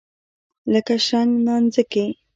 لکه شرنګ نانځکې.